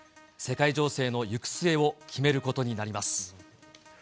世界情勢の行く末を決めることになります。